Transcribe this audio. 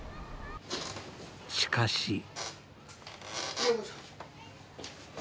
しかし。